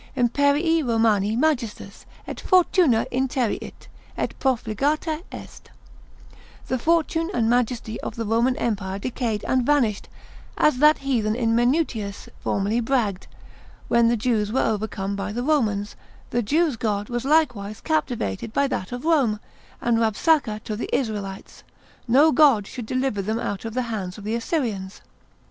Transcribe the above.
Imperii Romani majestas, et fortuna interiit, et profligata est; The fortune and majesty of the Roman Empire decayed and vanished, as that heathen in Minutius formerly bragged, when the Jews were overcome by the Romans, the Jew's God was likewise captivated by that of Rome; and Rabsakeh to the Israelites, no God should deliver them out of the hands of the Assyrians.